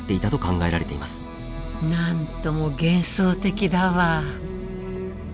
何とも幻想的だわ。